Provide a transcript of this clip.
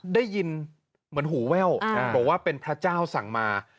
ได้ยินเหมือนหูแว่วบอกว่าเป็นพระเจ้าสั่งมา